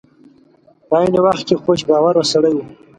په عین وخت کې خوش باوره سړی و.